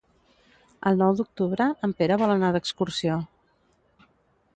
El nou d'octubre en Pere vol anar d'excursió.